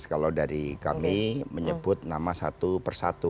kalau dari kami menyebut nama satu persatu